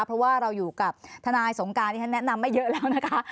เพราะว่าเราอยู่กับทนายสงการที่ฉันแนะนำไม่เยอะแล้วนะคะ